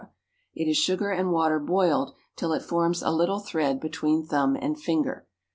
It is sugar and water boiled till it forms a little thread between thumb and finger.)